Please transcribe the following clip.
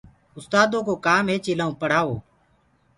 اُستآدو ڪو ڪآم هي چيلآ ڪو پڙهآوو